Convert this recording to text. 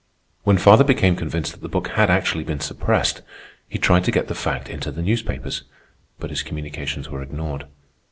When father became convinced that the book had actually been suppressed, he tried to get the fact into the newspapers; but his communications were ignored.